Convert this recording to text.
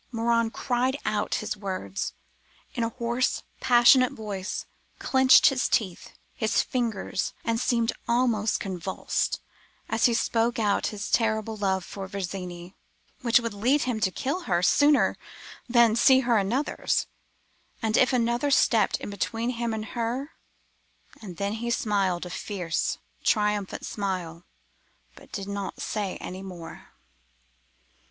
Morin cried out his words in a hoarse, passionate voice, clenched his teeth, his fingers, and seemed almost convulsed, as he spoke out his terrible love for Virginie, which would lead him to kill her sooner than see her another's; and if another stepped in between him and her!—and then he smiled a fierce, triumphant smile, but did not say any more.